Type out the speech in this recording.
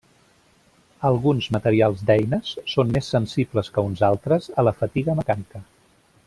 Alguns materials d'eines són més sensibles que uns altres a la fatiga mecànica.